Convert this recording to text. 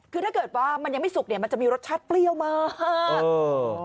คือถ้าเกิดว่ามันยังไม่สุกเนี่ยมันจะมีรสชาติเปรี้ยวมาก